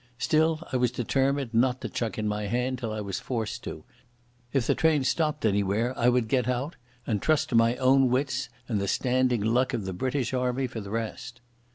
Still I was determined not to chuck in my hand till I was forced to. If the train stopped anywhere I would get out, and trust to my own wits and the standing luck of the British Army for the rest.